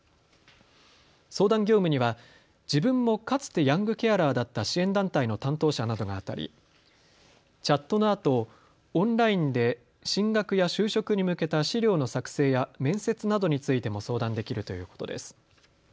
相談業務には自分もかつてヤングケアラーだった支援団体の担当者などがあたりチャットのあとオンラインで進学や就職に向けた資料の作成や面接などについても相談できるということです。